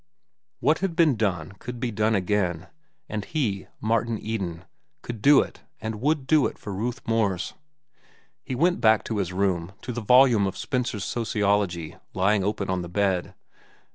What had been done could be done again, and he, Martin Eden, could do it and would do it for Ruth Morse. He went back to his room and to the volume of Spencer's "Sociology" lying open on the bed.